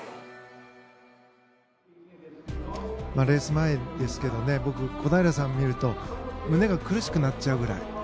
レース前ですけど僕、小平さんを見ると胸が苦しくなっちゃうくらい。